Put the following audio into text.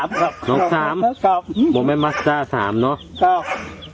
ไม่จำชื่อสามารถมาสร้า๓ครับ